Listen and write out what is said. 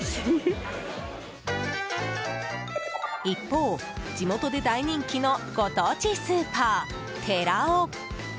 一方、地元で大人気のご当地スーパー、てらお。